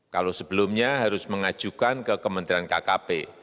kalau sebelumnya harus mengajukan ke kementerian kkp